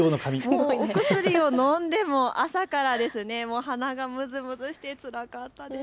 お薬をのんでも朝から鼻がむずむずしてつらかったです。